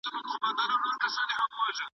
زه غواړم چې د کلي په واده کې ګډون وکړم.